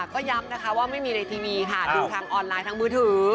ก็ย้ำนะคะว่าไม่มีในทีวีค่ะดูทางออนไลน์ทางมือถือ